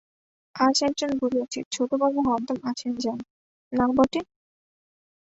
আজ একজন বলিয়াছে, ছোটবাবু হরদম আসেন যান, না বটে?